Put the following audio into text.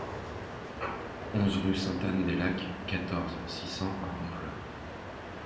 onze rue Saint-Anne-des-Lacs, quatorze, six cents à Honfleur